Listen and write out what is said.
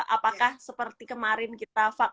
apakah seperti kemarin kita